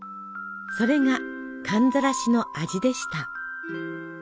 それが寒ざらしの味でした。